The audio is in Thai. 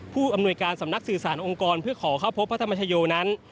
ผู้อำนวยการสำนักสื่อสารองค์กรเพื่อขอเข้าพบพระธรรมชโยนั้น